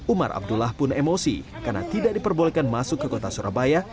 umar abdullah pun emosi karena tidak diperbolehkan masuk ke kota surabaya